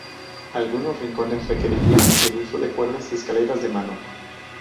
Algunos rincones requerían del uso de cuerdas y escaleras de mano.